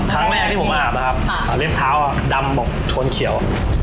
ครั้งแรกที่ผมอาบนะครับเล็บเท้าดำบอกชนเขียว